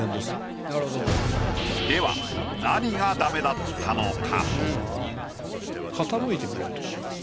では何がダメだったのか？